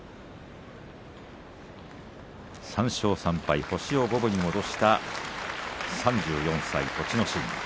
３勝３敗、星を五分に戻した３４歳、栃ノ心。